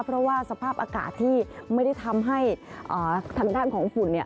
เพราะว่าสภาพอากาศที่ไม่ได้ทำให้ทางด้านของฝุ่นเนี่ย